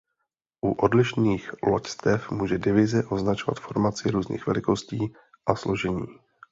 U odlišných loďstev může „divize“ označovat formaci různých velikostí a složení.